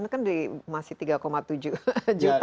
ini kan masih tiga tujuh juta